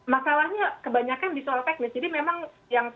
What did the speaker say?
masalahnya kebanyakan di soal teknis